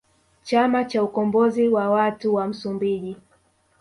Chama cha ukombozi wa watu wa Msumbiji